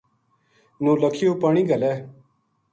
نولکھیو پانی گھلے